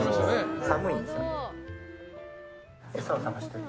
寒いんですよ。